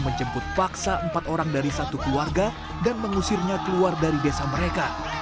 menjemput paksa empat orang dari satu keluarga dan mengusirnya keluar dari desa mereka